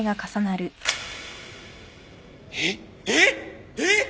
えっえっ！？